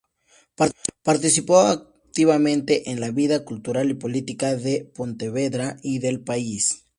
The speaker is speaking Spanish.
Participó activamente en la vida cultural y política de Pontevedra y del país.